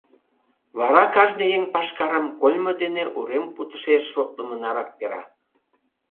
Вара кажне еҥ пашкарым кольмо дене урем кутышеш шотлымо нарак пера.